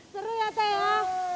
seru ya teh ya